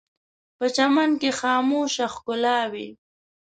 په چمن کې خاموشه ښکلا وي